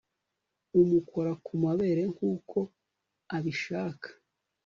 umukora kumabere nkuko abishaka